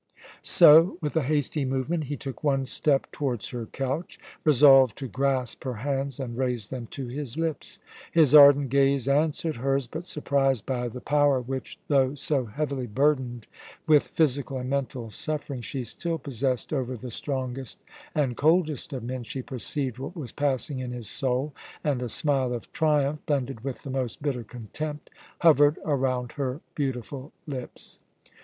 So, with a hasty movement, he took one step towards her couch, resolved to grasp her hands and raise them to his lips. His ardent gaze answered hers; but surprised by the power which, though so heavily burdened with physical and mental suffering, she still possessed over the strongest and coldest of men, she perceived what was passing in his soul, and a smile of triumph, blended with the most bitter contempt, hovered around her beautiful lips.